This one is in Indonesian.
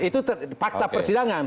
itu fakta persidangan